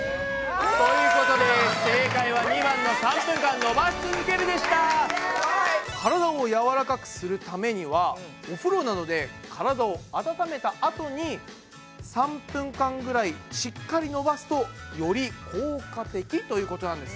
ということで正解はからだをやわらかくするためにはおふろなどでからだを温めたあとに３分間ぐらいしっかりのばすとより効果的ということなんですね。